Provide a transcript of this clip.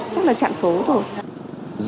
chắc là chặn số thôi